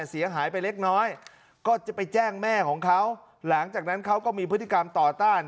เสียหายไปเล็กน้อยก็จะไปแจ้งแม่ของเขาหลังจากนั้นเขาก็มีพฤติกรรมต่อต้าน